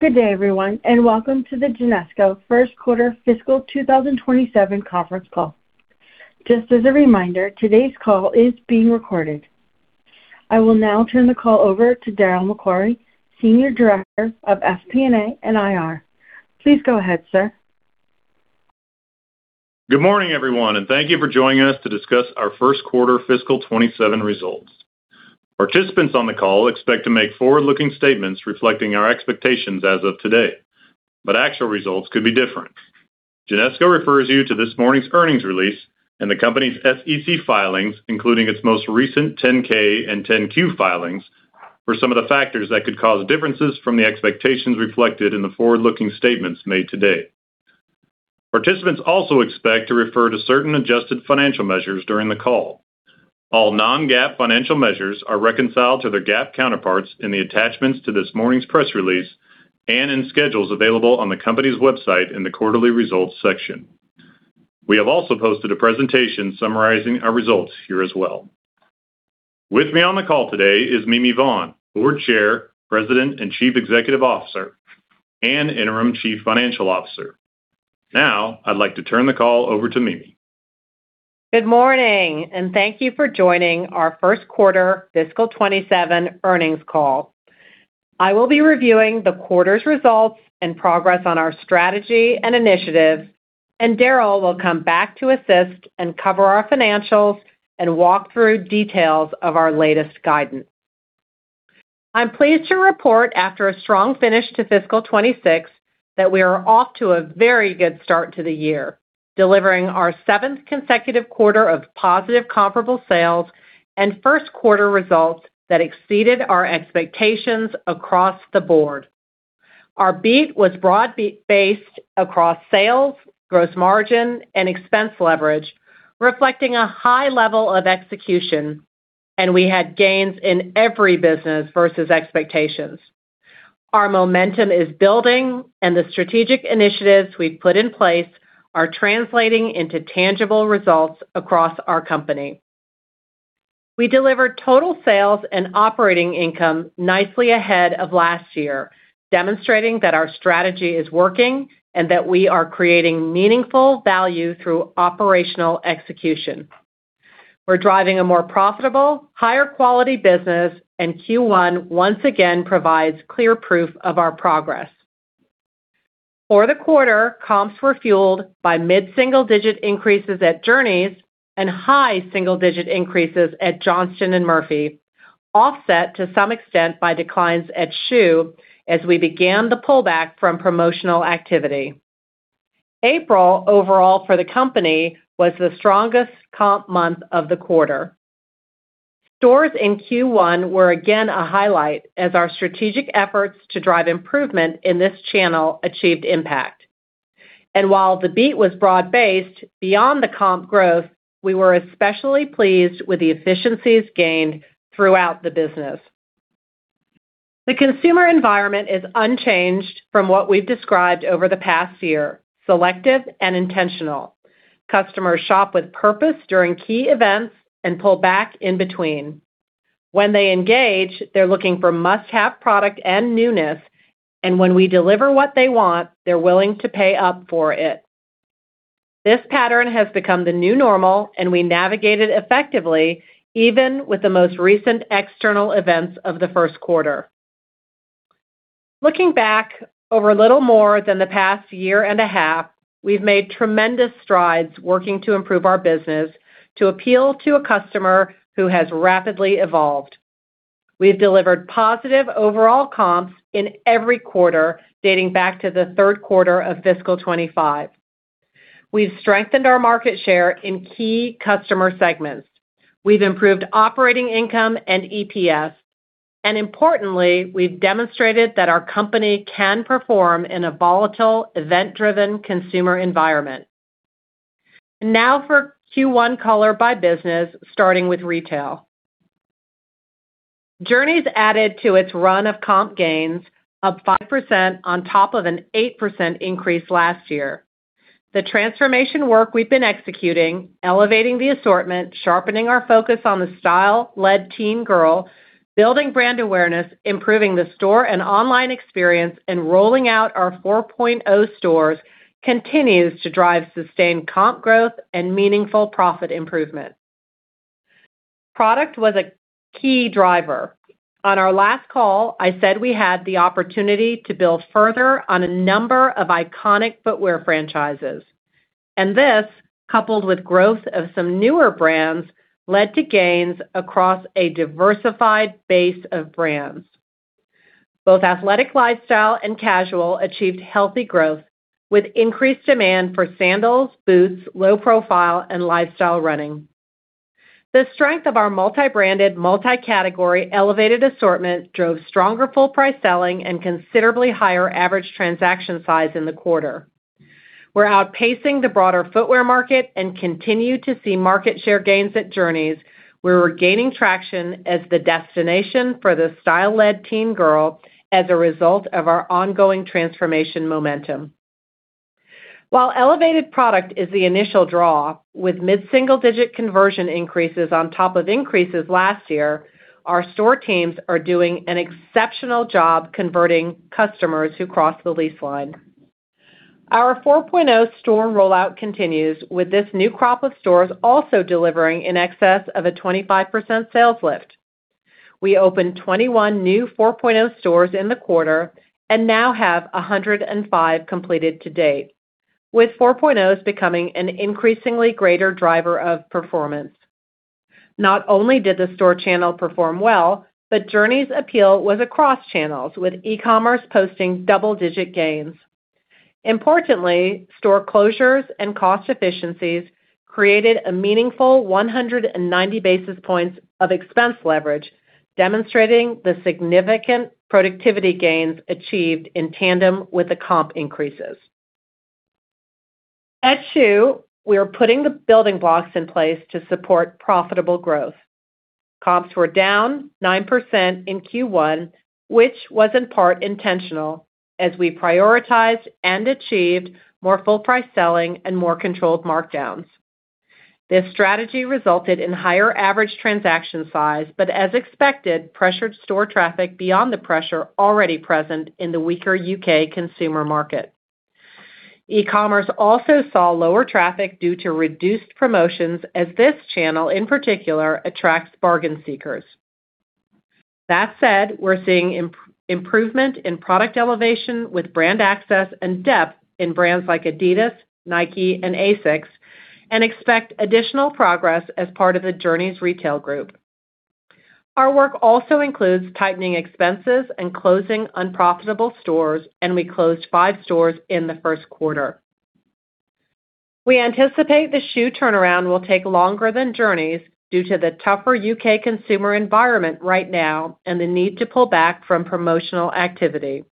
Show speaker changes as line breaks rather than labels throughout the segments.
Good day, everyone, and welcome to the Genesco first quarter fiscal 2027 conference call. Just as a reminder, today's call is being recorded. I will now turn the call over to Darryl MacQuarrie, Senior Director of FP&A and IR. Please go ahead, sir.
Good morning, everyone, and thank you for joining us to discuss our first quarter fiscal 2027 results. Participants on the call expect to make forward-looking statements reflecting our expectations as of today, but actual results could be different. Genesco refers you to this morning's earnings release and the company's SEC filings, including its most recent 10-K and 10-Q filings, for some of the factors that could cause differences from the expectations reflected in the forward-looking statements made today. Participants also expect to refer to certain adjusted financial measures during the call. All non-GAAP financial measures are reconciled to their GAAP counterparts in the attachments to this morning's press release and in schedules available on the company's website in the quarterly results section. We have also posted a presentation summarizing our results here as well. With me on the call today is Mimi Vaughn, Board Chair, President and Chief Executive Officer, and Interim Chief Financial Officer. Now, I'd like to turn the call over to Mimi.
Good morning, and thank you for joining our first quarter fiscal 2027 earnings call. I will be reviewing the quarter's results and progress on our strategy and initiatives. Darryl will come back to assist and cover our financials and walk through details of our latest guidance. I'm pleased to report after a strong finish to fiscal 2026 that we are off to a very good start to the year, delivering our seventh consecutive quarter of positive comparable sales and first quarter results that exceeded our expectations across the board. Our beat was broad-based across sales, gross margin, and expense leverage, reflecting a high level of execution. We had gains in every business versus expectations. Our momentum is building. The strategic initiatives we've put in place are translating into tangible results across our company. We delivered total sales and operating income nicely ahead of last year, demonstrating that our strategy is working and that we are creating meaningful value through operational execution. We're driving a more profitable, higher quality business, and Q1 once again provides clear proof of our progress. For the quarter, comps were fueled by mid-single-digit increases at Journeys and high single-digit increases at Johnston & Murphy, offset to some extent by declines at Schuh as we began the pullback from promotional activity. April, overall for the company, was the strongest comp month of the quarter. Stores in Q1 were again a highlight as our strategic efforts to drive improvement in this channel achieved impact. While the beat was broad based beyond the comp growth, we were especially pleased with the efficiencies gained throughout the business. The consumer environment is unchanged from what we've described over the past year, selective and intentional. Customers shop with purpose during key events and pull back in between. When they engage, they're looking for must-have product and newness, and when we deliver what they want, they're willing to pay up for it. This pattern has become the new normal, and we navigate it effectively, even with the most recent external events of the first quarter. Looking back over a little more than the past year and a half, we've made tremendous strides working to improve our business to appeal to a customer who has rapidly evolved. We've delivered positive overall comps in every quarter dating back to the third quarter of fiscal 2025. We've strengthened our market share in key customer segments. We've improved operating income and EPS. Importantly, we've demonstrated that our company can perform in a volatile, event-driven consumer environment. Now for Q1 color by business, starting with retail. Journeys added to its run of comp gains up 5% on top of an 8% increase last year. The transformation work we've been executing, elevating the assortment, sharpening our focus on the style-led teen girl, building brand awareness, improving the store and online experience, and rolling out our 4.0 stores, continues to drive sustained comp growth and meaningful profit improvement. Product was a key driver. On our last call, I said I had the opportunity to build further on a number of iconic footwear franchises. This, coupled with growth of some newer brands, led to gains across a diversified base of brands. Both athletic lifestyle and casual achieved healthy growth, with increased demand for sandals, boots, low profile, and lifestyle running. The strength of our multi-branded, multi-category elevated assortment drove stronger full price selling and considerably higher average transaction size in the quarter. We're outpacing the broader footwear market and continue to see market share gains at Journeys. We're gaining traction as the destination for the style-led teen girl as a result of our ongoing transformation momentum. While elevated product is the initial draw, with mid-single-digit conversion increases on top of increases last year, our store teams are doing an exceptional job converting customers who cross the lease line. Our 4.0 store rollout continues with this new crop of stores also delivering in excess of a 25% sales lift. We opened 21 new 4.0 stores in the quarter and now have 105 completed to date, with 4.0s becoming an increasingly greater driver of performance. Not only did the store channel perform well, but Journeys' appeal was across channels, with e-commerce posting double-digit gains. Importantly, store closures and cost efficiencies created a meaningful 190 basis points of expense leverage, demonstrating the significant productivity gains achieved in tandem with the comp increases. At schuh, we are putting the building blocks in place to support profitable growth. Comps were down 9% in Q1, which was in part intentional as we prioritized and achieved more full price selling and more controlled markdowns. This strategy resulted in higher average transaction size, but as expected, pressured store traffic beyond the pressure already present in the weaker U.K. consumer market. E-commerce also saw lower traffic due to reduced promotions as this channel, in particular, attracts bargain seekers. That said, we're seeing improvement in product elevation with brand access and depth in brands like Adidas, Nike, and ASICS, and expect additional progress as part of the Journeys Retail Group. Our work also includes tightening expenses and closing unprofitable stores, and we closed five stores in the first quarter. We anticipate the schuh turnaround will take longer than Journeys due to the tougher U.K. consumer environment right now and the need to pull back from promotional activity.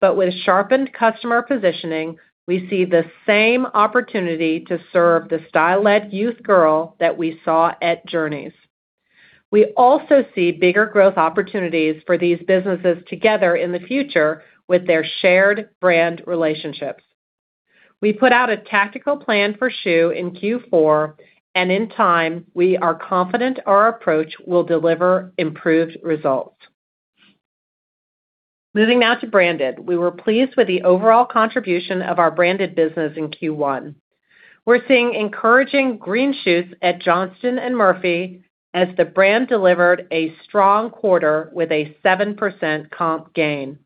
With sharpened customer positioning, we see the same opportunity to serve the style-led youth girl that we saw at Journeys. We also see bigger growth opportunities for these businesses together in the future with their shared brand relationships. We put out a tactical plan for schuh in Q4, and in time, we are confident our approach will deliver improved results. Moving now to branded. We were pleased with the overall contribution of our branded business in Q1. We're seeing encouraging green shoots at Johnston & Murphy as the brand delivered a strong quarter with a 7% comp gain.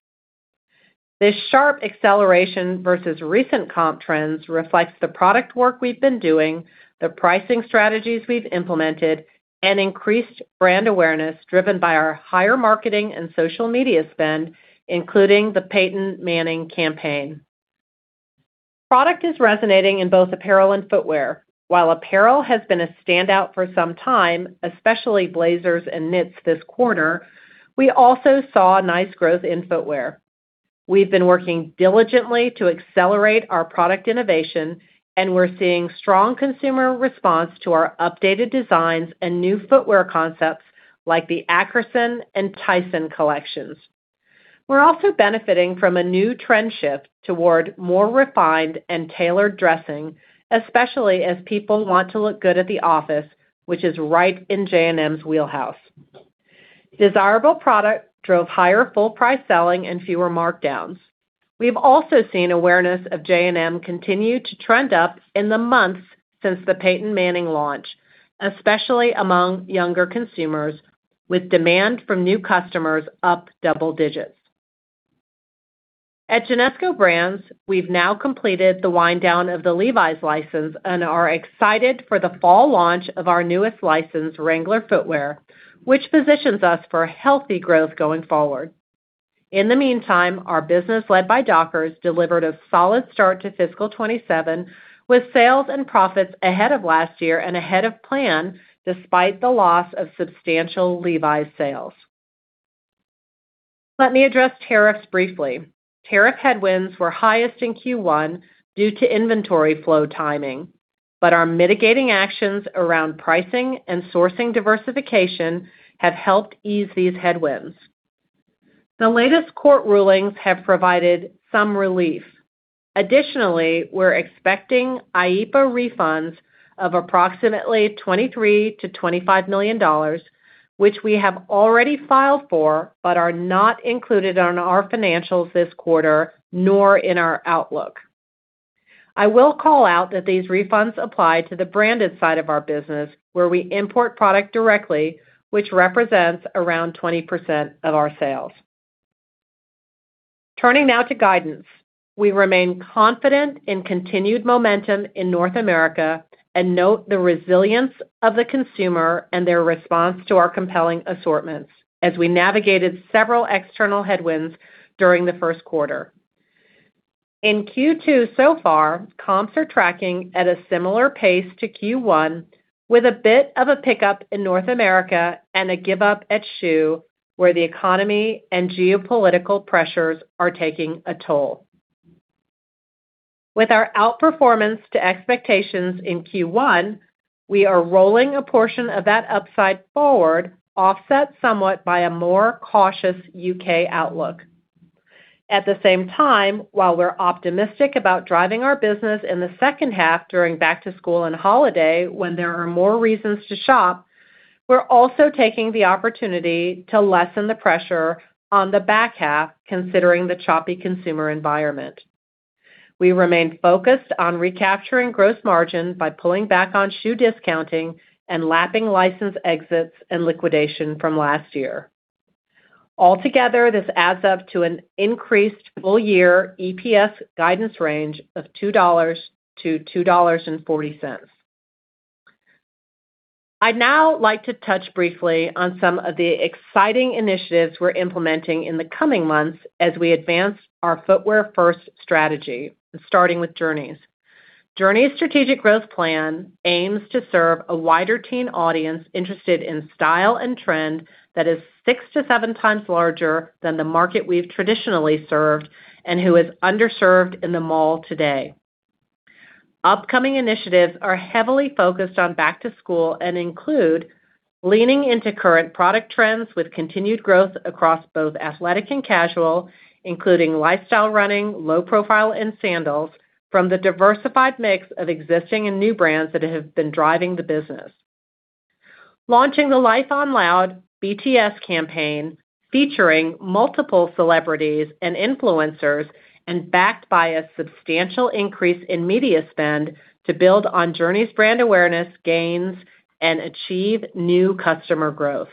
This sharp acceleration versus recent comp trends reflects the product work we've been doing, the pricing strategies we've implemented, and increased brand awareness driven by our higher marketing and social media spend, including the Peyton Manning campaign. Product is resonating in both apparel and footwear. While apparel has been a standout for some time, especially blazers and knits this quarter, we also saw nice growth in footwear. We've been working diligently to accelerate our product innovation, and we're seeing strong consumer response to our updated designs and new footwear concepts like the Ackerson and Tyson collections. We're also benefiting from a new trend shift toward more refined and tailored dressing, especially as people want to look good at the office, which is right in J&M's wheelhouse. Desirable product drove higher full price selling and fewer markdowns. We've also seen awareness of J&M continue to trend up in the months since the Peyton Manning launch, especially among younger consumers, with demand from new customers up double digits. At Genesco Brands, we've now completed the wind-down of the Levi's license and are excited for the fall launch of our newest license, Wrangler Footwear, which positions us for healthy growth going forward. In the meantime, our business led by Dockers delivered a solid start to fiscal 2027 with sales and profits ahead of last year and ahead of plan despite the loss of substantial Levi's sales. Let me address tariffs briefly. Tariff headwinds were highest in Q1 due to inventory flow timing, but our mitigating actions around pricing and sourcing diversification have helped ease these headwinds. The latest court rulings have provided some relief. Additionally, we're expecting IEEPA refunds of approximately $23 million-$25 million, which we have already filed for but are not included on our financials this quarter, nor in our outlook. I will call out that these refunds apply to the branded side of our business where we import product directly, which represents around 20% of our sales. Turning now to guidance. We remain confident in continued momentum in North America and note the resilience of the consumer and their response to our compelling assortments as we navigated several external headwinds during the first quarter. In Q2 so far, comps are tracking at a similar pace to Q1 with a bit of a pickup in North America and a give up at schuh, where the economy and geopolitical pressures are taking a toll. With our outperformance to expectations in Q1. We are rolling a portion of that upside forward, offset somewhat by a more cautious U.K. outlook. At the same time, while we're optimistic about driving our business in the second half during back to school and holiday, when there are more reasons to shop, we're also taking the opportunity to lessen the pressure on the back half, considering the choppy consumer environment. We remain focused on recapturing gross margin by pulling back on shoe discounting and lapping license exits and liquidation from last year. Altogether, this adds up to an increased full-year EPS guidance range of $2-$2.40. I'd now like to touch briefly on some of the exciting initiatives we're implementing in the coming months as we advance our footwear-first strategy, starting with Journeys. Journeys' strategic growth plan aims to serve a wider teen audience interested in style and trend that is six to seven times larger than the market we've traditionally served, and who is underserved in the mall today. Upcoming initiatives are heavily focused on back to school and include: leaning into current product trends with continued growth across both athletic and casual, including lifestyle running, low profile, and sandals from the diversified mix of existing and new brands that have been driving the business. Launching the Life on Loud BTS campaign, featuring multiple celebrities and influencers, and backed by a substantial increase in media spend to build on Journeys' brand awareness gains and achieve new customer growth.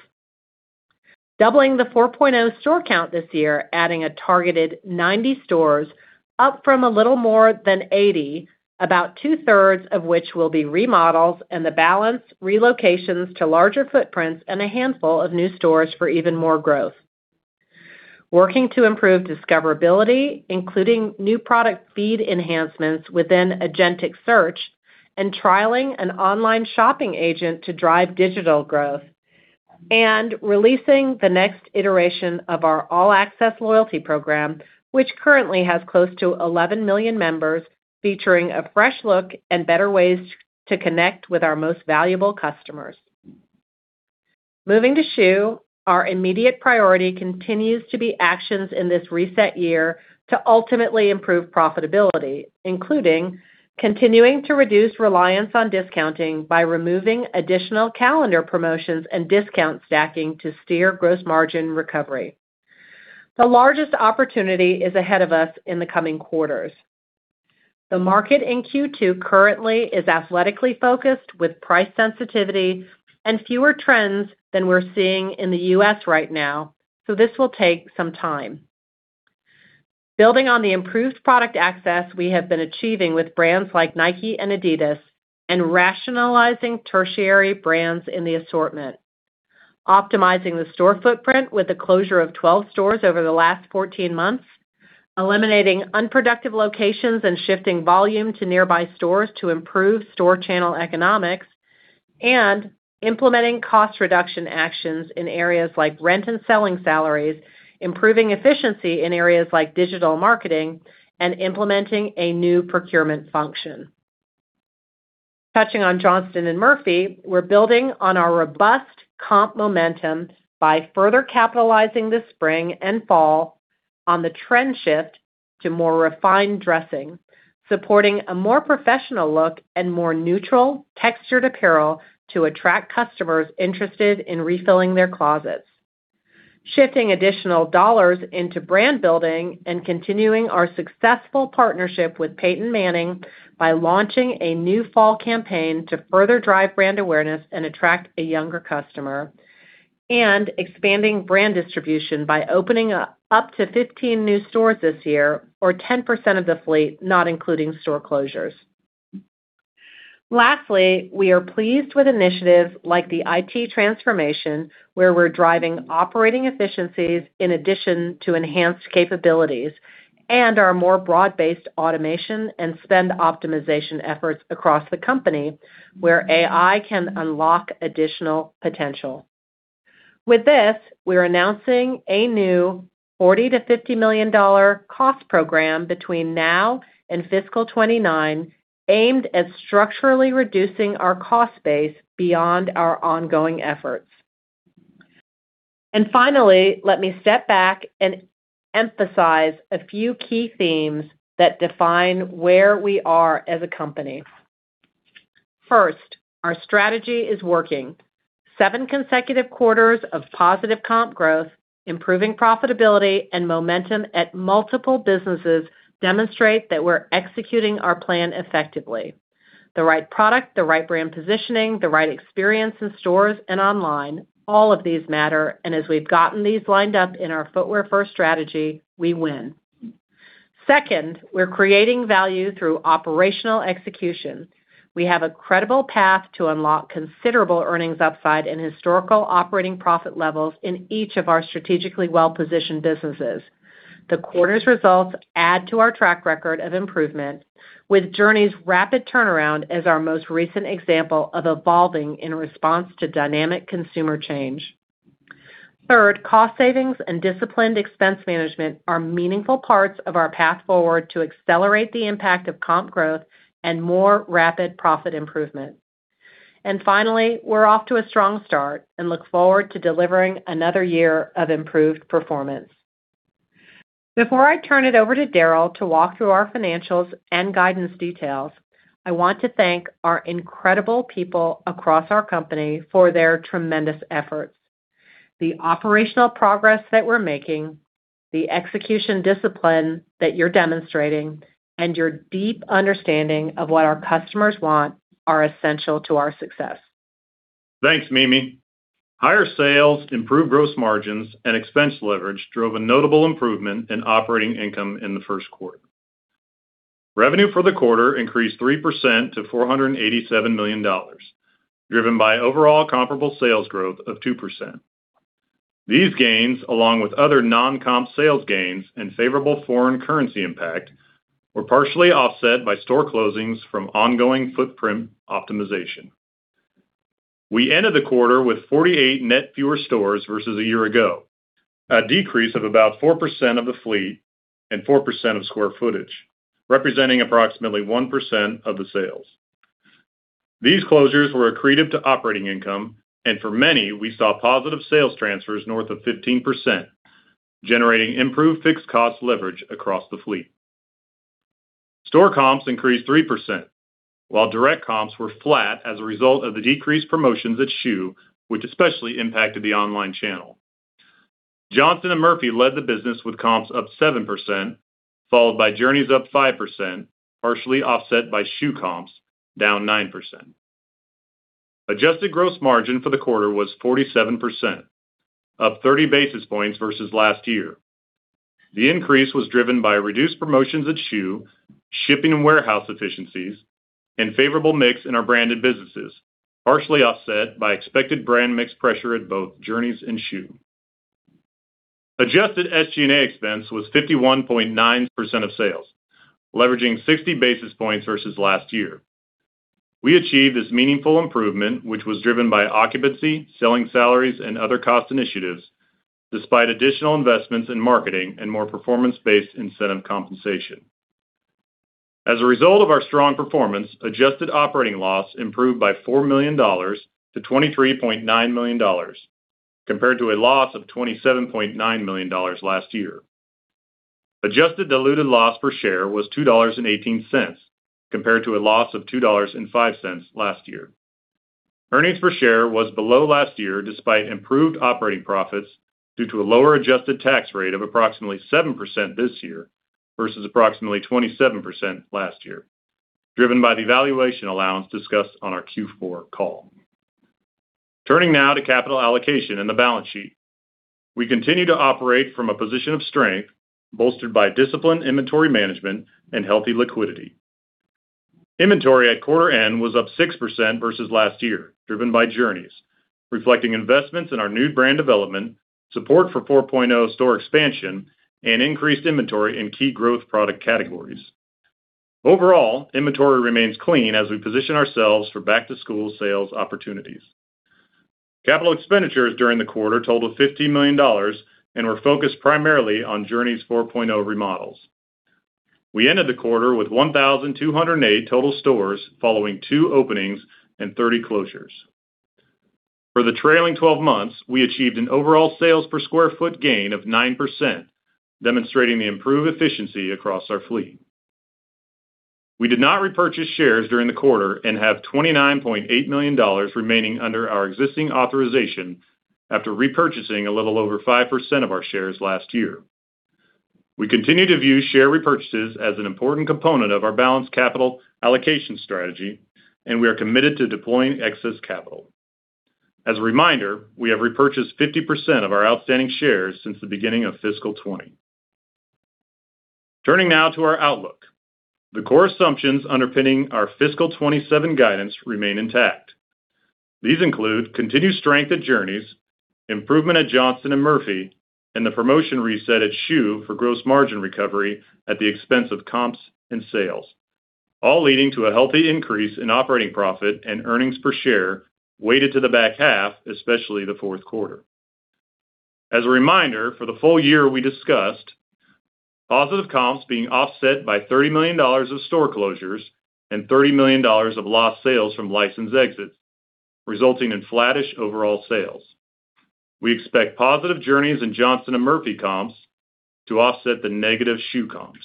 Doubling the 4.0 store count this year, adding a targeted 90 stores, up from a little more than 80, about 2/3 of which will be remodels, and the balance relocations to larger footprints and a handful of new stores for even more growth. Working to improve discoverability, including new product feed enhancements within agentic search and trialing an online shopping agent to drive digital growth. Releasing the next iteration of our all-access loyalty program, which currently has close to 11 million members, featuring a fresh look and better ways to connect with our most valuable customers. Moving to schuh, our immediate priority continues to be actions in this reset year to ultimately improve profitability, including continuing to reduce reliance on discounting by removing additional calendar promotions and discount stacking to steer gross margin recovery. The largest opportunity is ahead of us in the coming quarters. The market in Q2 currently is athletically focused with price sensitivity and fewer trends than we're seeing in the U.S. right now, so this will take some time. Building on the improved product access we have been achieving with brands like Nike and Adidas and rationalizing tertiary brands in the assortment. Optimizing the store footprint with the closure of 12 stores over the last 14 months. Eliminating unproductive locations and shifting volume to nearby stores to improve store channel economics, implementing cost reduction actions in areas like rent and selling salaries, improving efficiency in areas like digital marketing, and implementing a new procurement function. Touching on Johnston & Murphy, we're building on our robust comp momentum by further capitalizing this spring and fall on the trend shift to more refined dressing, supporting a more professional look and more neutral textured apparel to attract customers interested in refilling their closets. Shifting additional dollars into brand building and continuing our successful partnership with Peyton Manning by launching a new fall campaign to further drive brand awareness and attract a younger customer. Expanding brand distribution by opening up to 15 new stores this year, or 10% of the fleet, not including store closures. Lastly, we are pleased with initiatives like the IT transformation, where we're driving operating efficiencies in addition to enhanced capabilities, and our more broad-based automation and spend optimization efforts across the company, where AI can unlock additional potential. With this, we're announcing a new $40 million-$50 million cost program between now and fiscal 2029, aimed at structurally reducing our cost base beyond our ongoing efforts. Finally, let me step back and emphasize a few key themes that define where we are as a company. First, our strategy is working. Seven consecutive quarters of positive comp growth, improving profitability, and momentum at multiple businesses demonstrate that we're executing our plan effectively. The right product, the right brand positioning, the right experience in stores and online, all of these matter, and as we've gotten these lined up in our footwear-first strategy, we win. Second, we're creating value through operational execution. We have a credible path to unlock considerable earnings upside and historical operating profit levels in each of our strategically well-positioned businesses. The quarter's results add to our track record of improvement with Journeys' rapid turnaround as our most recent example of evolving in response to dynamic consumer change. Cost savings and disciplined expense management are meaningful parts of our path forward to accelerate the impact of comp growth and more rapid profit improvement. Finally, we're off to a strong start and look forward to delivering another year of improved performance. Before I turn it over to Darryl to walk through our financials and guidance details, I want to thank our incredible people across our company for their tremendous efforts. The operational progress that we're making, the execution discipline that you're demonstrating, and your deep understanding of what our customers want are essential to our success.
Thanks, Mimi. Higher sales, improved gross margins, and expense leverage drove a notable improvement in operating income in the first quarter. Revenue for the quarter increased 3% to $487 million, driven by overall comparable sales growth of 2%. These gains, along with other non-comp sales gains and favorable foreign currency impact, were partially offset by store closings from ongoing footprint optimization. We ended the quarter with 48 net fewer stores versus a year ago, a decrease of about 4% of the fleet and 4% of square footage, representing approximately 1% of the sales. These closures were accretive to operating income, and for many, we saw positive sales transfers north of 15%, generating improved fixed cost leverage across the fleet. Store comps increased 3%, while direct comps were flat as a result of the decreased promotions at schuh, which especially impacted the online channel. Johnston & Murphy led the business with comps up 7%, followed by Journeys up 5%, partially offset by schuh comps down 9%. Adjusted gross margin for the quarter was 47%, up 30 basis points versus last year. The increase was driven by reduced promotions at schuh, shipping and warehouse efficiencies, and favorable mix in our branded businesses, partially offset by expected brand mix pressure at both Journeys and schuh. Adjusted SG&A expense was 51.9% of sales, leveraging 60 basis points versus last year. We achieved this meaningful improvement, which was driven by occupancy, selling salaries, and other cost initiatives, despite additional investments in marketing and more performance-based incentive compensation. As a result of our strong performance, adjusted operating loss improved by $4 million to $23.9 million, compared to a loss of $27.9 million last year. Adjusted diluted loss per share was $2.18, compared to a loss of $2.05 last year. Earnings per share was below last year, despite improved operating profits due to a lower adjusted tax rate of approximately 7% this year versus approximately 27% last year, driven by the valuation allowance discussed on our Q4 call. Turning now to capital allocation and the balance sheet. We continue to operate from a position of strength, bolstered by disciplined inventory management and healthy liquidity. Inventory at quarter end was up 6% versus last year, driven by Journeys, reflecting investments in our new brand development, support for 4.0 store expansion, and increased inventory in key growth product categories. Overall, inventory remains clean as we position ourselves for back-to-school sales opportunities. Capital expenditures during the quarter totaled $15 million and were focused primarily on Journeys 4.0 remodels. We ended the quarter with 1,208 total stores following two openings and 30 closures. For the trailing 12 months, we achieved an overall sales per square foot gain of 9%, demonstrating the improved efficiency across our fleet. We did not repurchase shares during the quarter and have $29.8 million remaining under our existing authorization after repurchasing a little over 5% of our shares last year. We continue to view share repurchases as an important component of our balanced capital allocation strategy, and we are committed to deploying excess capital. As a reminder, we have repurchased 50% of our outstanding shares since the beginning of fiscal 2020. Turning now to our outlook. The core assumptions underpinning our fiscal 2027 guidance remain intact. These include continued strength at Journeys, improvement at Johnston & Murphy, and the promotion reset at schuh for gross margin recovery at the expense of comps and sales, all leading to a healthy increase in operating profit and earnings per share weighted to the back half, especially the fourth quarter. As a reminder, for the full year, we discussed positive comps being offset by $30 million of store closures and $30 million of lost sales from license exits, resulting in flattish overall sales. We expect positive Journeys in Johnston & Murphy comps to offset the negative schuh comps.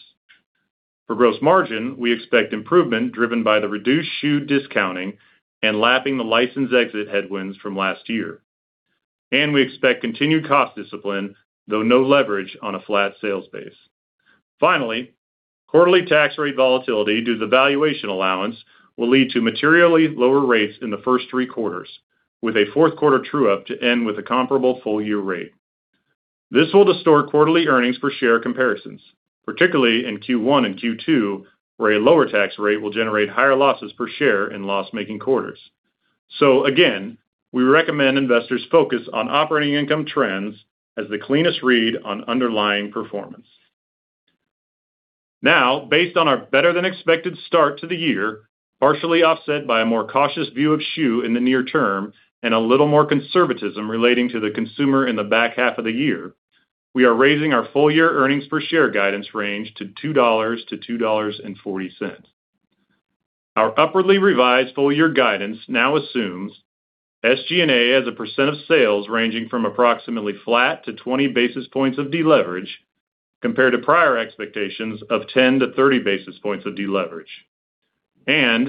For gross margin, we expect improvement driven by the reduced schuh discounting and lapping the license exit headwinds from last year. We expect continued cost discipline, though no leverage on a flat sales base. Finally, quarterly tax rate volatility due to the valuation allowance will lead to materially lower rates in the first three quarters with a fourth quarter true-up to end with a comparable full-year rate. This will distort quarterly earnings per share comparisons, particularly in Q1 and Q2, where a lower tax rate will generate higher losses per share in loss-making quarters. Again, we recommend investors focus on operating income trends as the cleanest read on underlying performance. Based on our better-than-expected start to the year, partially offset by a more cautious view of schuh in the near term and a little more conservatism relating to the consumer in the back half of the year, we are raising our full-year earnings per share guidance range to $2-$2.40. Our upwardly revised full-year guidance now assumes SG&A as a percent of sales ranging from approximately flat to 20 basis points of deleverage, compared to prior expectations of 10-30 basis points of deleverage.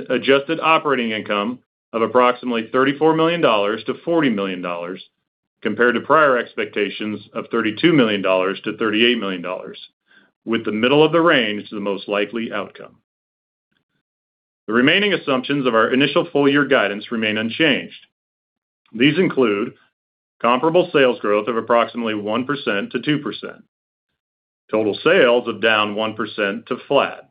Adjusted operating income of approximately $34 million-$40 million, compared to prior expectations of $32 million-$38 million, with the middle of the range as the most likely outcome. The remaining assumptions of our initial full-year guidance remain unchanged. These include comparable sales growth of approximately 1%-2%. Total sales of down 1% to flat.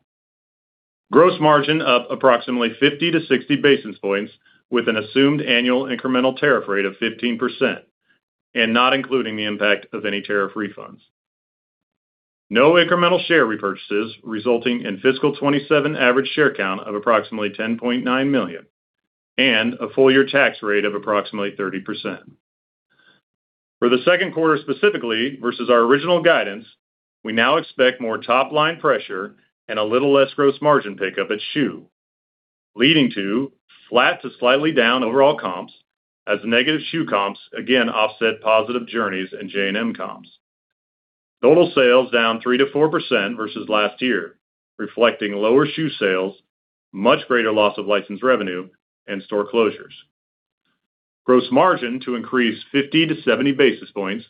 Gross margin up approximately 50-60 basis points with an assumed annual incremental tariff rate of 15% and not including the impact of any tariff refunds. No incremental share repurchases resulting in fiscal 2027 average share count of approximately 10.9 million and a full-year tax rate of approximately 30%. For the second quarter specifically versus our original guidance, we now expect more top-line pressure and a little less gross margin pickup at schuh, leading to flat to slightly down overall comps as negative schuh comps again offset positive Journeys and J&M comps. Total sales down 3%-4% versus last year, reflecting lower schuh sales, much greater loss of license revenue, and store closures. Gross margin to increase 50 to 70 basis points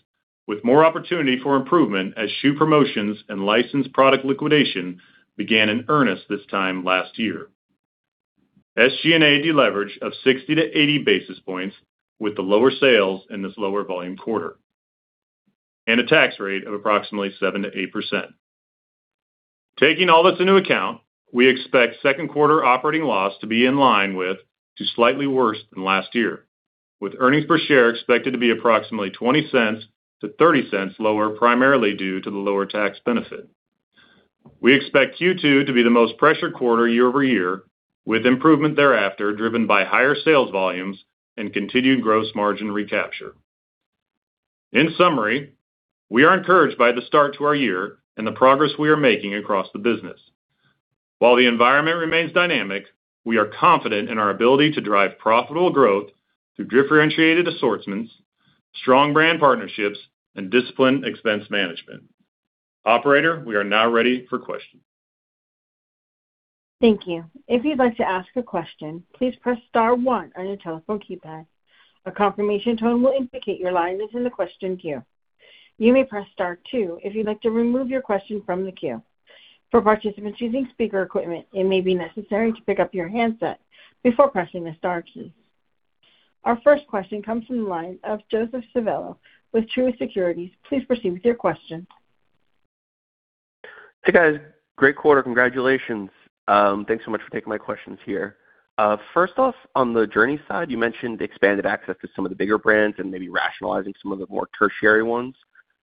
with more opportunity for improvement as schuh promotions and licensed product liquidation began in earnest this time last year. SG&A deleverage of 60 to 80 basis points with the lower sales in this lower volume quarter and a tax rate of approximately 7%-8%. Taking all this into account, we expect second quarter operating loss to be in line with to slightly worse than last year, with earnings per share expected to be approximately $0.20-$0.30 lower, primarily due to the lower tax benefit. We expect Q2 to be the most pressured quarter year-over-year, with improvement thereafter driven by higher sales volumes and continued gross margin recapture. In summary, we are encouraged by the start to our year and the progress we are making across the business. While the environment remains dynamic, we are confident in our ability to drive profitable growth through differentiated assortments, strong brand partnerships, and disciplined expense management. Operator, we are now ready for questions.
Our first question comes from the line of Joseph Civello with Truist Securities. Please proceed with your question.
Hey, guys. Great quarter. Congratulations. Thanks so much for taking my questions here. First off, on the Journeys side, you mentioned expanded access to some of the bigger brands and maybe rationalizing some of the more tertiary ones.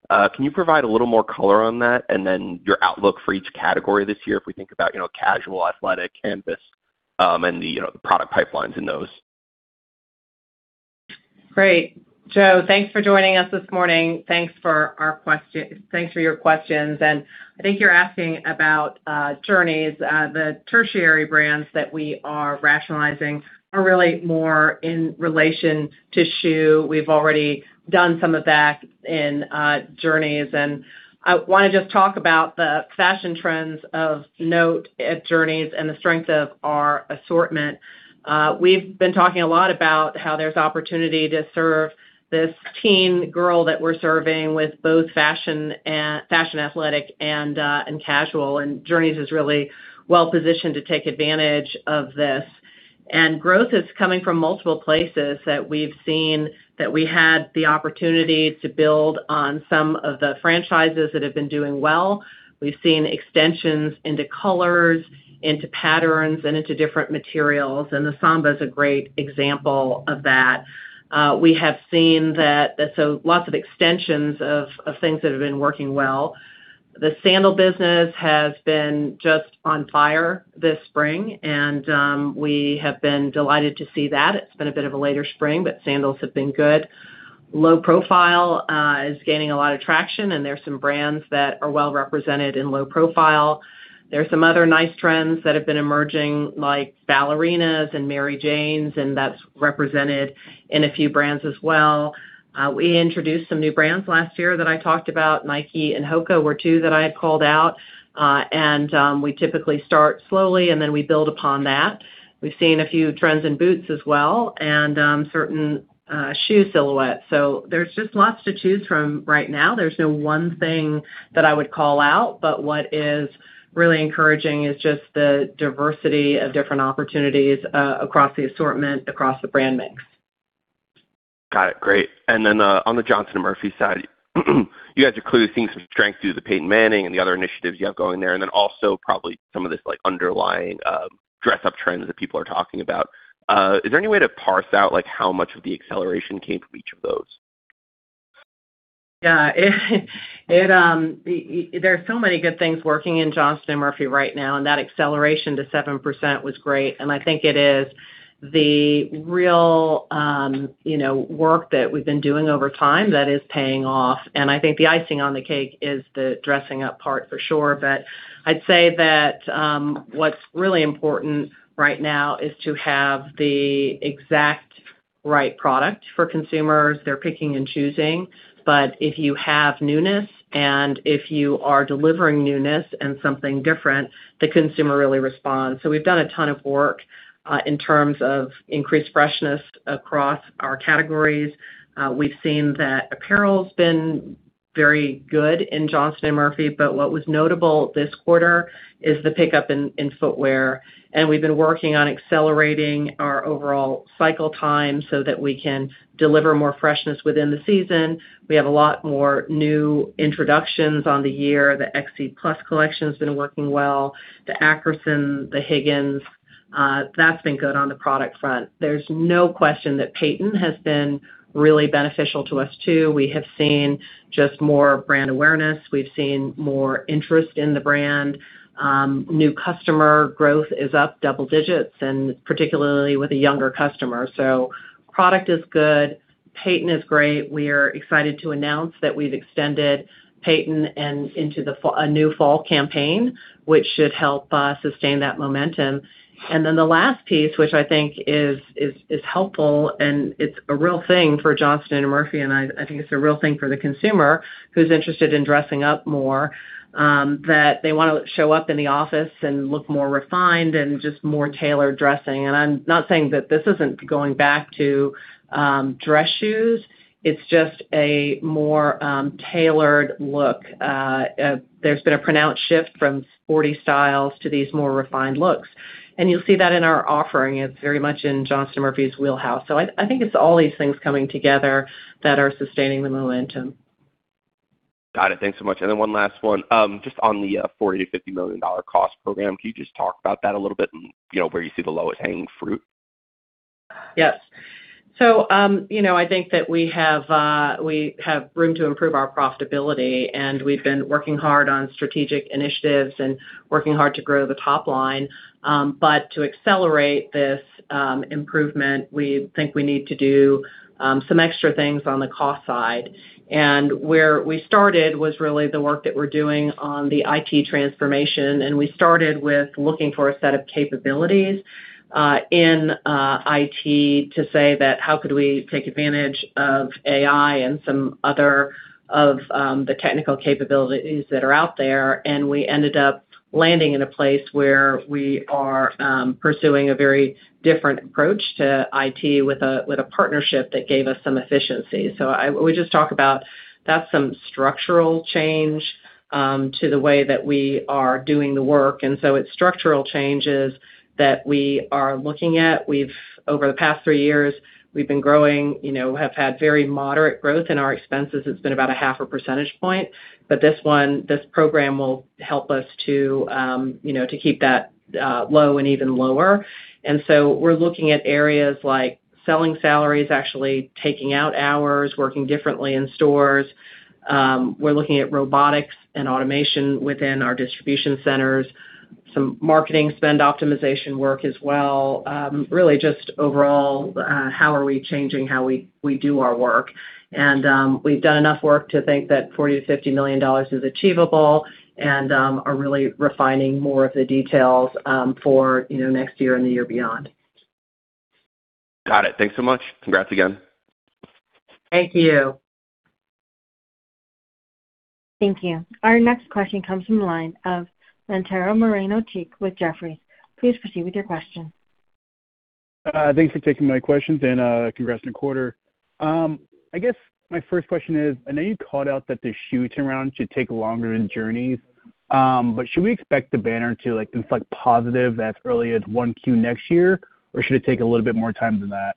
Can you provide a little more color on that, and then your outlook for each category this year if we think about casual, athletic, canvas, and the product pipelines in those?
Great. Joe, thanks for joining us this morning. Thanks for your questions. I think you're asking about Journeys. The tertiary brands that we are rationalizing are really more in relation to schuh. We've already done some of that in Journeys. I want to just talk about the fashion trends of note at Journeys and the strength of our assortment. We've been talking a lot about how there's opportunity to serve this teen girl that we're serving with both fashion athletic and casual. Journeys is really well-positioned to take advantage of this. Growth is coming from multiple places that we've seen that we had the opportunity to build on some of the franchises that have been doing well. We've seen extensions into colors, into patterns, and into different materials, and the Samba is a great example of that. We have seen lots of extensions of things that have been working well. The sandal business has been just on fire this spring, and we have been delighted to see that. It's been a bit of a later spring, but sandals have been good. Low profile is gaining a lot of traction, and there's some brands that are well represented in low profile. There's some other nice trends that have been emerging, like ballerinas and Mary Janes, and that's represented in a few brands as well. We introduced some new brands last year that I talked about. Nike and HOKA were two that I had called out. We typically start slowly, and then we build upon that. We've seen a few trends in boots as well and certain shoe silhouettes. There's just lots to choose from right now. There's no one thing that I would call out, but what is really encouraging is just the diversity of different opportunities across the assortment, across the brand mix.
Got it. Great. On the Johnston & Murphy side, you guys are clearly seeing some strength due to the Peyton Manning and the other initiatives you have going there, probably some of this underlying dress-up trend that people are talking about. Is there any way to parse out how much of the acceleration came from each of those?
Yeah. There are so many good things working in Johnston & Murphy right now, and that acceleration to 7% was great, and I think it is the real work that we've been doing over time that is paying off. I think the icing on the cake is the dressing up part for sure. I'd say that what's really important right now is to have the exact right product for consumers. They're picking and choosing, but if you have newness and if you are delivering newness and something different, the consumer really responds. We've done a ton of work in terms of increased freshness across our categories. We've seen that apparel's been very good in Johnston & Murphy, but what was notable this quarter is the pickup in footwear. We've been working on accelerating our overall cycle time so that we can deliver more freshness within the season. We have a lot more new introductions on the year. The XC+ collection's been working well. The Ackerson, the Higgins, that's been good on the product front. There's no question that Peyton has been really beneficial to us, too. We have seen just more brand awareness. We've seen more interest in the brand. New customer growth is up double digits, and particularly with a younger customer. Product is good. Peyton is great. We are excited to announce that we've extended Peyton into a new fall campaign, which should help us sustain that momentum. The last piece, which I think is helpful, and it's a real thing for Johnston & Murphy, and I think it's a real thing for the consumer who's interested in dressing up more, that they want to show up in the office and look more refined and just more tailored dressing. I'm not saying that this isn't going back to dress shoes. It's just a more tailored look. There's been a pronounced shift from sporty styles to these more refined looks. You'll see that in our offering. It's very much in Johnston & Murphy's wheelhouse. I think it's all these things coming together that are sustaining the momentum.
Got it. Thanks so much. One last one. Just on the $40 million-$50 million cost program, can you just talk about that a little bit and where you see the lowest hanging fruit?
Yes. I think that we have room to improve our profitability, and we've been working hard on strategic initiatives and working hard to grow the top line. To accelerate this improvement, we think we need to do some extra things on the cost side. Where we started was really the work that we're doing on the IT transformation, and we started with looking for a set of capabilities, in IT to say that how could we take advantage of AI and some other of the technical capabilities that are out there, and we ended up landing in a place where we are pursuing a very different approach to IT with a partnership that gave us some efficiency. We just talk about that's some structural change to the way that we are doing the work, and so it's structural changes that we are looking at. Over the past three years, we've been growing, have had very moderate growth in our expenses. It's been about a half a percentage point. This one, this program will help us to keep that low and even lower. We're looking at areas like selling salaries, actually taking out hours, working differently in stores. We're looking at robotics and automation within our distribution centers, some marketing spend optimization work as well. Really just overall, how are we changing how we do our work. We've done enough work to think that $40 million-$50 million is achievable and are really refining more of the details for next year and the year beyond.
Got it. Thanks so much. Congrats again.
Thank you.
Thank you. Our next question comes from the line of Mantero Moreno-Cheek with Jefferies. Please proceed with your question.
Thanks for taking my questions, and congrats on the quarter. I guess my first question is, I know you called out that the schuh turnaround should take longer than Journeys. Should we expect the banner to inflect positive as early as 1Q next year, or should it take a little bit more time than that?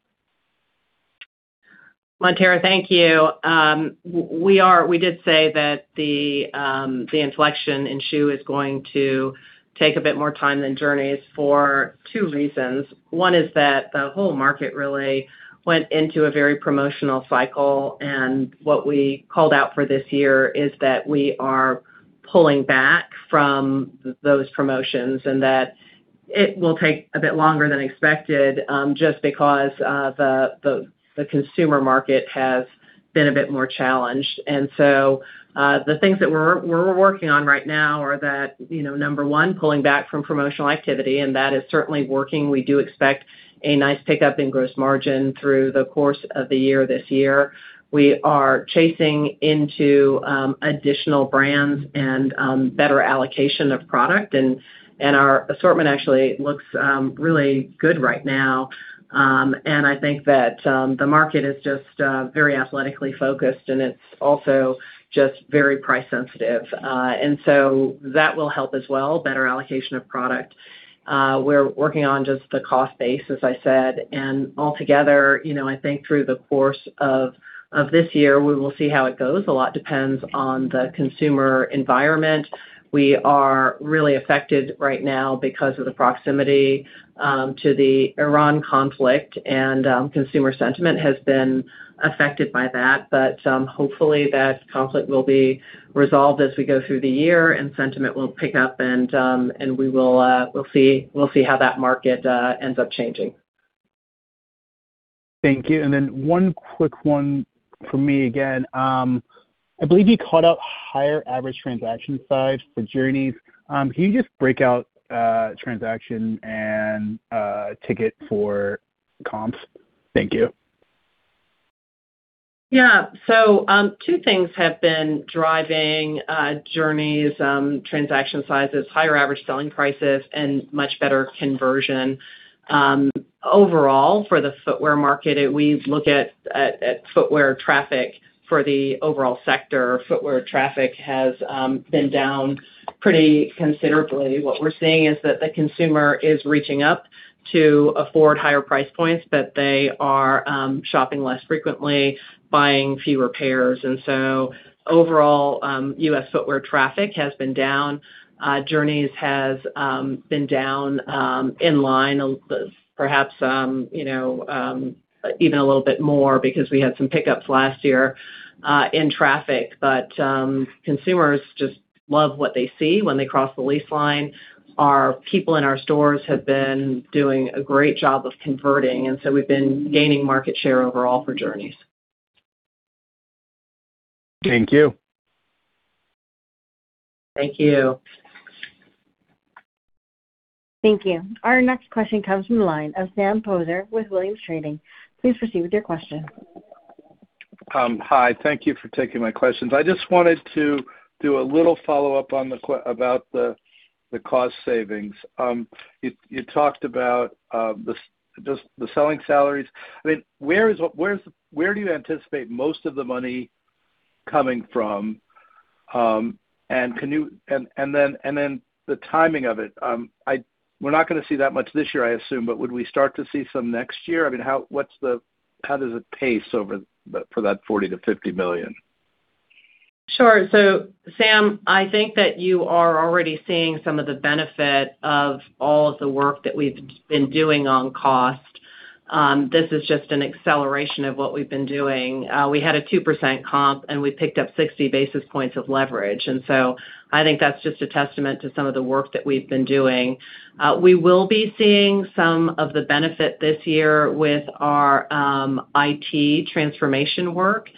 Mantero, thank you. We did say that the inflection in schuh is going to take a bit more time than Journeys for two reasons. One is that the whole market really went into a very promotional cycle, and what we called out for this year is that we are pulling back from those promotions and that it will take a bit longer than expected, just because the consumer market has been a bit more challenged. The things that we're working on right now are that, number one, pulling back from promotional activity, and that is certainly working. We do expect a nice pickup in gross margin through the course of the year, this year. We are chasing into additional brands and better allocation of product, and our assortment actually looks really good right now. I think that the market is just very athletically focused, and it's also just very price sensitive. So that will help as well, better allocation of product. We're working on just the cost base, as I said, and altogether, I think through the course of this year, we will see how it goes. A lot depends on the consumer environment. We are really affected right now because of the proximity to the Ukraine conflict, and consumer sentiment has been affected by that. Hopefully that conflict will be resolved as we go through the year, and sentiment will pick up, and we'll see how that market ends up changing.
Thank you. One quick one from me again. I believe you called out higher average transaction size for Journeys. Can you just break out transaction and ticket for comps? Thank you.
Yeah. Two things have been driving Journeys transaction sizes, higher average selling prices, and much better conversion. Overall, for the footwear market, we look at footwear traffic for the overall sector. Footwear traffic has been down pretty considerably. What we're seeing is that the consumer is reaching up to afford higher price points, but they are shopping less frequently, buying fewer pairs. Overall, U.S. footwear traffic has been down. Journeys has been down in line, perhaps even a little bit more because we had some pickups last year in traffic. Consumers just love what they see when they cross the lease line. Our people in our stores have been doing a great job of converting, we've been gaining market share overall for Journeys.
Thank you.
Thank you.
Thank you. Our next question comes from the line of Sam Poser with Williams Trading. Please proceed with your question.
Hi. Thank you for taking my questions. I just wanted to do a little follow-up about the cost savings. You talked about just the selling salaries. Where do you anticipate most of the money coming from? The timing of it. We're not going to see that much this year, I assume, but would we start to see some next year? How does it pace for that $40 million-$50 million?
Sure. Sam, I think that you are already seeing some of the benefit of all of the work that we've been doing on cost. This is just an acceleration of what we've been doing. We had a 2% comp, and we picked up 60 basis points of leverage. I think that's just a testament to some of the work that we've been doing. We will be seeing some of the benefit this year with our IT transformation work.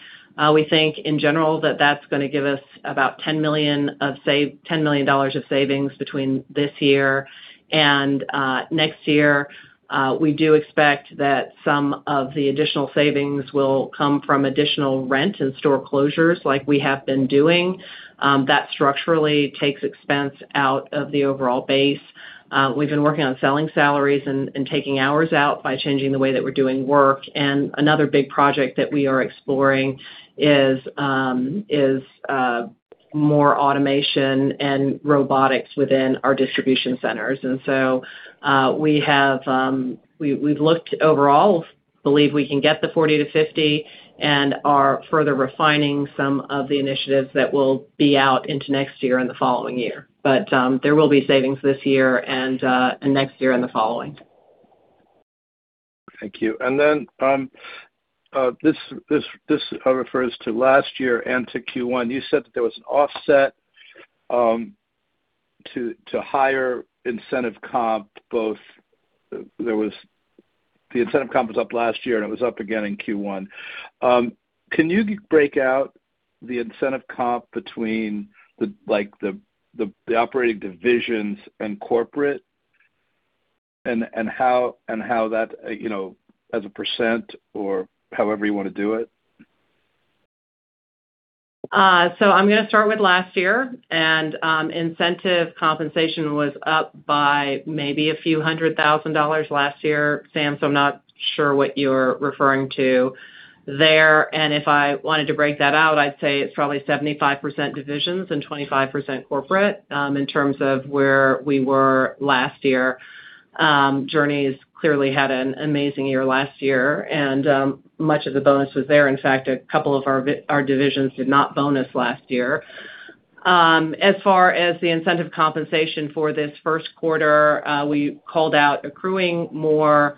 We think in general that that's going to give us about $10 million of savings between this year and next year. We do expect that some of the additional savings will come from additional rent and store closures like we have been doing. That structurally takes expense out of the overall base. We've been working on selling salaries and taking hours out by changing the way that we're doing work. Another big project that we are exploring is more automation and robotics within our distribution centers. We've looked overall, believe we can get the 40-50, and are further refining some of the initiatives that will be out into next year and the following year. There will be savings this year and next year and the following.
Thank you. This refers to last year and to Q1. You said that there was an offset to higher incentive comp, both. The incentive comp was up last year, and it was up again in Q1. Can you break out the incentive comp between the operating divisions and corporate, and how that as a percent or however you want to do it?
I'm going to start with last year, incentive compensation was up by maybe a few hundred thousand dollars last year, Sam, I'm not sure what you're referring to there. If I wanted to break that out, I'd say it's probably 75% divisions and 25% corporate in terms of where we were last year. Journeys clearly had an amazing year last year, much of the bonus was there. In fact, a couple of our divisions did not bonus last year. As far as the incentive compensation for this first quarter, we called out accruing more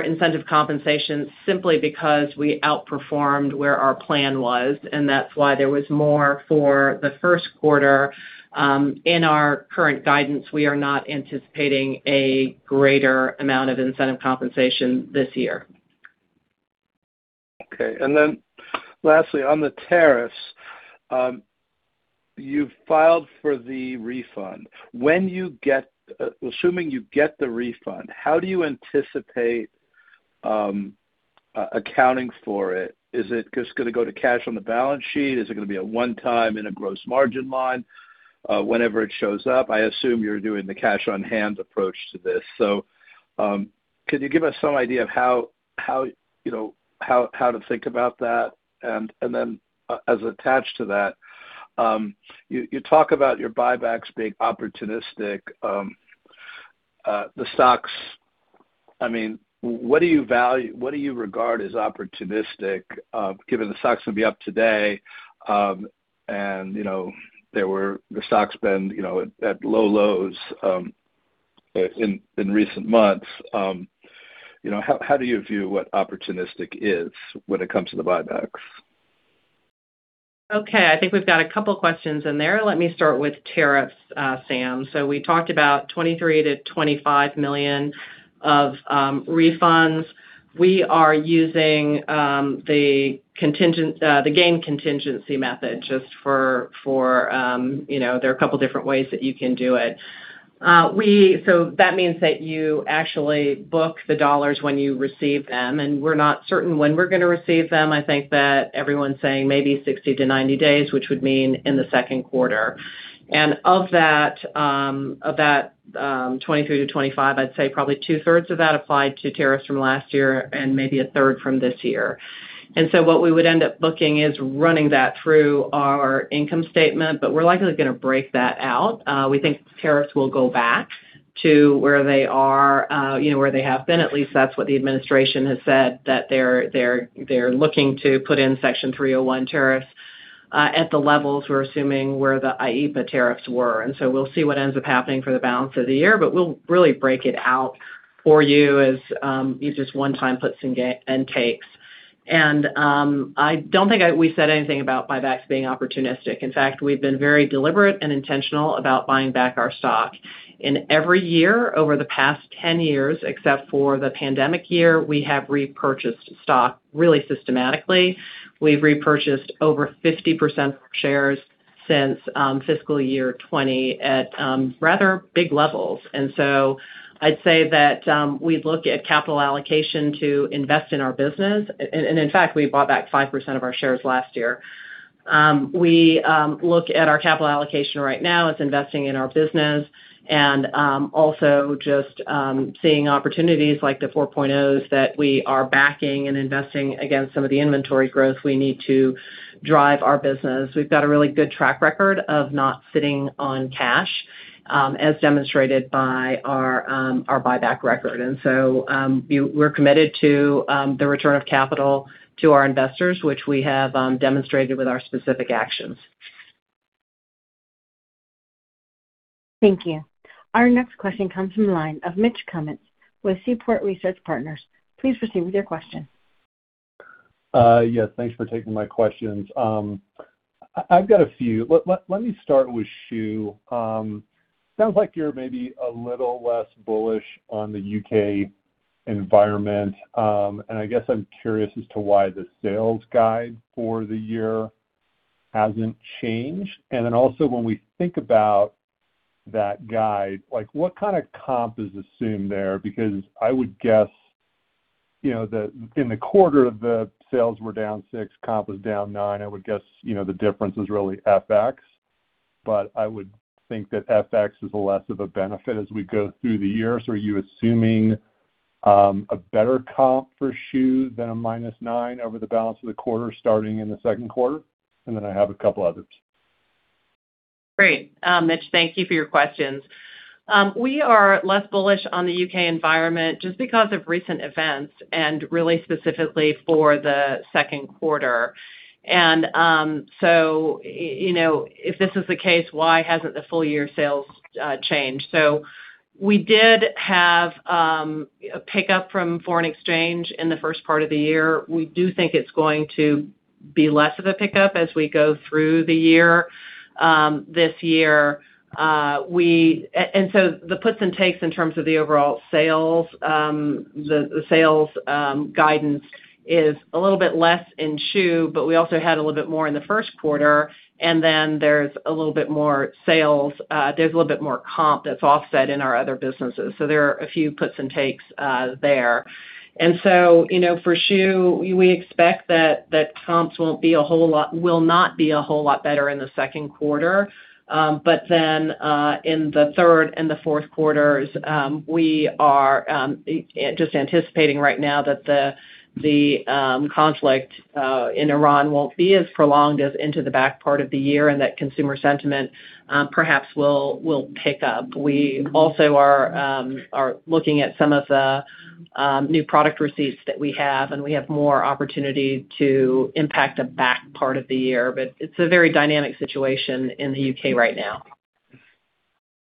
incentive compensation simply because we outperformed where our plan was, that's why there was more for the first quarter. In our current guidance, we are not anticipating a greater amount of incentive compensation this year.
Okay. Lastly, on the tariffs, you filed for the refund. Assuming you get the refund, how do you anticipate accounting for it? Is it just going to go to cash on the balance sheet? Is it going to be a one-time in a gross margin line whenever it shows up? I assume you're doing the cash on hand approach to this. Could you give us some idea of how to think about that? As attached to that, you talk about your buybacks being opportunistic. The stock's, what do you regard as opportunistic given the stock's will be up today, and the stock's been at low lows in recent months. How do you view what opportunistic is when it comes to the buybacks?
Okay. I think we've got a couple questions in there. Let me start with tariffs, Sam. We talked about $23 million-$25 million of refunds. We are using the gain contingency method just for, there are a couple different ways that you can do it. That means that you actually book the dollars when you receive them, and we're not certain when we're going to receive them. I think that everyone's saying maybe 60-90 days, which would mean in the second quarter. Of that $23 million-$25 million, I'd say probably two-thirds of that applied to tariffs from last year and maybe a third from this year. What we would end up booking is running that through our income statement, but we're likely going to break that out. We think tariffs will go back to where they have been, at least that's what the administration has said, that they're looking to put in Section 301 tariffs at the levels we're assuming where the IEEPA tariffs were. We'll see what ends up happening for the balance of the year, but we'll really break it out for you as these just one time puts and takes. I don't think we said anything about buybacks being opportunistic. In fact, we've been very deliberate and intentional about buying back our stock. In every year over the past 10 years, except for the pandemic year, we have repurchased stock really systematically. We've repurchased over 50% shares since fiscal year 2020 at rather big levels. I'd say that, we look at capital allocation to invest in our business, and in fact, we bought back 5% of our shares last year. We look at our capital allocation right now as investing in our business and also just seeing opportunities like the 4.0s that we are backing and investing against some of the inventory growth we need to drive our business. We've got a really good track record of not sitting on cash, as demonstrated by our buyback record. We're committed to the return of capital to our investors, which we have demonstrated with our specific actions.
Thank you. Our next question comes from the line of Mitch Kummetz with Seaport Research Partners. Please proceed with your question.
Yes, thanks for taking my questions. I've got a few. Let me start with schuh. Sounds like you're maybe a little less bullish on the U.K. environment. I guess I'm curious as to why the sales guide for the year hasn't changed. When we think about that guide, what kind of comp is assumed there? I would guess that in the quarter the sales were down 6%, comp was down 9%. I would guess the difference is really FX. I would think that FX is less of a benefit as we go through the year. Are you assuming a better comp for schuh than a -9% over the balance of the quarter starting in the second quarter? I have a couple others.
Great. Mitch, thank you for your questions. We are less bullish on the U.K. environment just because of recent events and really specifically for the second quarter. If this is the case, why hasn't the full year sales changed? We did have a pickup from foreign exchange in the first part of the year. We do think it's going to be less of a pickup as we go through the year. The puts and takes in terms of the overall sales guidance is a little bit less in schuh, but we also had a little bit more in the first quarter, and then there's a little bit more comp that's offset in our other businesses. There are a few puts and takes there. For schuh, we expect that comps will not be a whole lot better in the second quarter. In the third and the fourth quarters, we are just anticipating right now that the conflict in Ukraine won't be as prolonged as into the back part of the year, and that consumer sentiment perhaps will pick up. We also are looking at some of the new product receipts that we have, and we have more opportunity to impact the back part of the year. It's a very dynamic situation in the U.K. right now.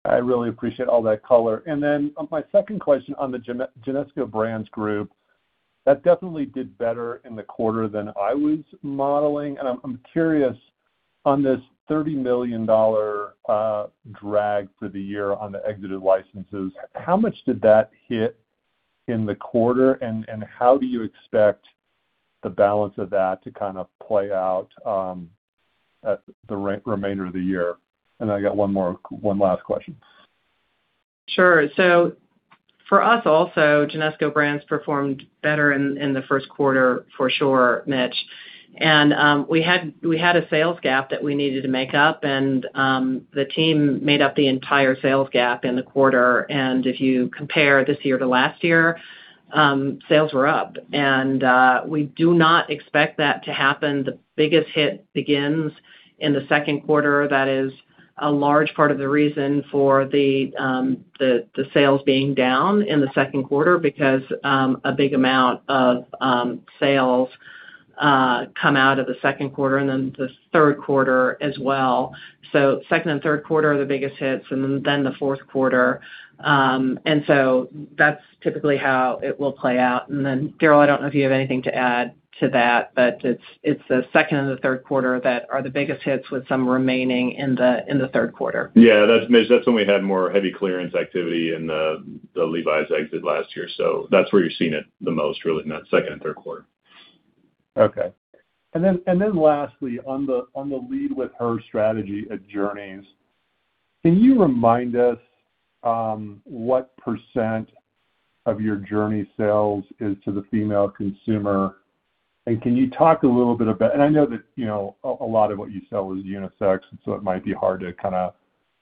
I really appreciate all that color. My second question on the Genesco Brands Group. That definitely did better in the quarter than I was modeling, and I'm curious on this $30 million drag for the year on the exited licenses, how much did that hit in the quarter, and how do you expect the balance of that to play out at the remainder of the year? I got one last question.
Sure. For us also, Genesco Brands performed better in the first quarter for sure, Mitch. We had a sales gap that we needed to make up, and the team made up the entire sales gap in the quarter. If you compare this year to last year sales were up, and we do not expect that to happen. The biggest hit begins in the second quarter. That is a large part of the reason for the sales being down in the second quarter because a big amount of sales come out of the second quarter and then the third quarter as well. Second and third quarter are the biggest hits, and then the fourth quarter. That's typically how it will play out. Darryl, I don't know if you have anything to add to that, but it's the second and the third quarter that are the biggest hits with some remaining in the third quarter.
Yeah. Mitch, that's when we had more heavy clearance activity in the Levi's exit last year. That's where you're seeing it the most, really, in that second and third quarter.
Okay. Lastly, on the Lead with Her strategy at Journeys, can you remind us what percent of your Journeys sales is to the female consumer? I know that a lot of what you sell is unisex, and so it might be hard to kind of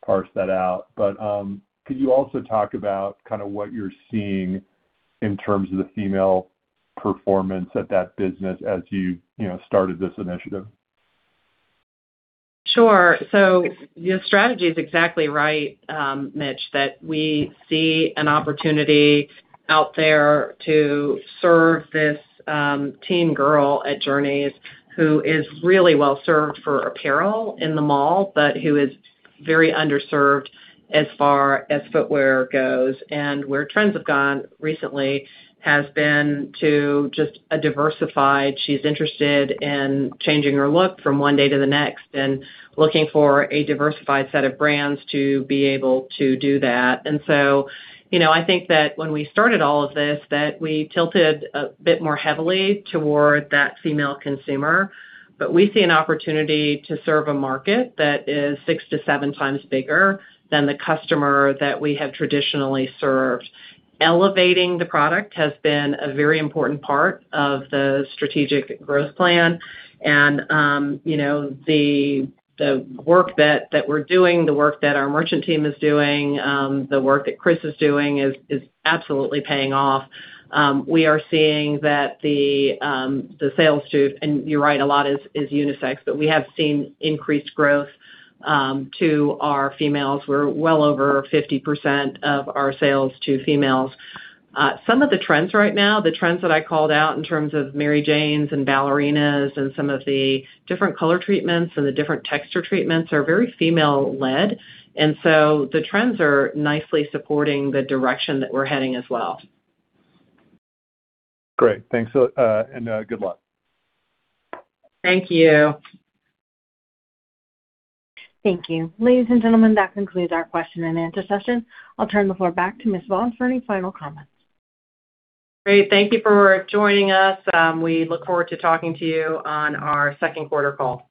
parse that out. Could you also talk about what you're seeing in terms of the female performance at that business as you started this initiative?
Sure. Your strategy is exactly right, Mitch, that we see an opportunity out there to serve this teen girl at Journeys who is really well-served for apparel in the mall, but who is very underserved as far as footwear goes. Where trends have gone recently has been to just a diversified. She's interested in changing her look from one day to the next and looking for a diversified set of brands to be able to do that. I think that when we started all of this, that we tilted a bit more heavily toward that female consumer. We see an opportunity to serve a market that is 6x-7x bigger than the customer that we have traditionally served. Elevating the product has been a very important part of the strategic growth plan. The work that we're doing, the work that our merchant team is doing, the work that Chris is doing is absolutely paying off. We are seeing that the sales to, and you're right, a lot is unisex, but we have seen increased growth to our females. We're well over 50% of our sales to females. Some of the trends right now, the trends that I called out in terms of Mary Janes and ballerinas and some of the different color treatments and the different texture treatments are very female led. The trends are nicely supporting the direction that we're heading as well.
Great. Thanks, and good luck.
Thank you.
Thank you. Ladies and gentlemen, that concludes our question and answer session. I'll turn the floor back to Mimi Vaughn for any final comments.
Great. Thank you for joining us. We look forward to talking to you on our second quarter call.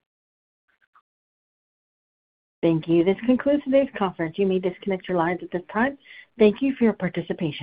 Thank you. This concludes today's conference. You may disconnect your lines at this time. Thank you for your participation.